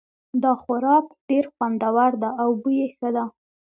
دا خوراک ډېر خوندور ده او بوی یې ښه ده